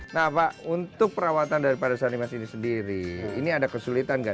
nah pak untuk perawatan dari para sanimas ini sendiri ini ada kesulitan gak